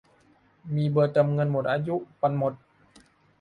มีเบอร์เติมเงินหมดอายุ วันหมด